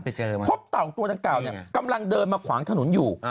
พบเต่าตัวดังกล่าวเนี่ยกำลังเดินมาขวางถนนอยู่